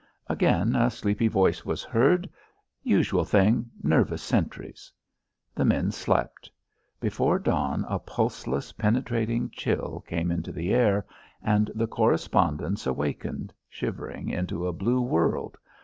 Again a sleepy voice was heard. "Usual thing! Nervous sentries!" The men slept. Before dawn a pulseless, penetrating chill came into the air, and the correspondents awakened, shivering, into a blue world.